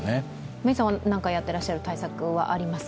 メイさんが何かやってらっしゃる対策はありますか？